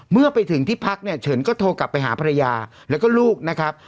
เมื่อไปถึงที่พักเนี่ยเฉินก็โทรกลับไปหาภรรยาแล้วก็ลูกนะครับ